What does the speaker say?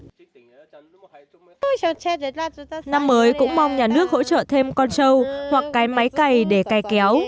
năm mới cũng mong nhà nước hỗ trợ thêm con trâu hoặc cái máy cày để cày kéo